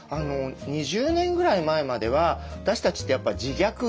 ２０年ぐらい前までは私たちってやっぱ自虐ギャグ。